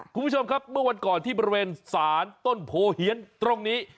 คุณผู้ชมครับเมื่อวันก่อนที่บริเวณศาลต้นโพเฮียนตรงนี้